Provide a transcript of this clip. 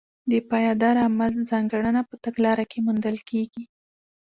د پایداره عمل ځانګړنه په تګلاره کې موندل کېږي.